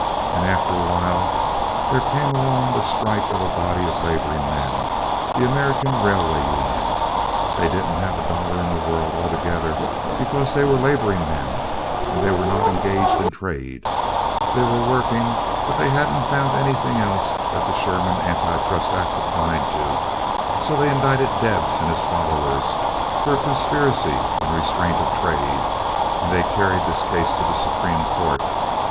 And after awhile there came along the strike of a body of laboring men, the American Railway Union. They didn't have a dollar in the world altogether, because they were laboring men and they were not engaged in trade; they were working; but they hadn't found anything else that the Sherman anti trust act applied to, so they indicted Debs and his followers for a conspiracy in restraint of trade; and they carried this case to the Supreme Court.